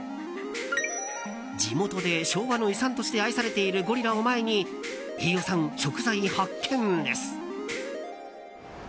地元で昭和の遺産として愛されているゴリラを前に飯尾さん、食材発見です。